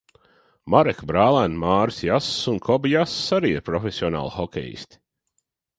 Mareka brālēni Māris Jass un Koba Jass arī ir profesionāli hokejisti.